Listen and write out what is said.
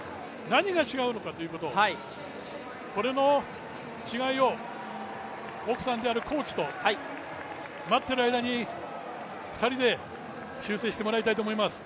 何が違うのかということを、これの違いを奥さんであるコーチと待っている間に２人で修正してもらいたいと思います。